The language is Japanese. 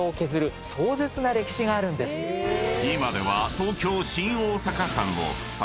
［今では］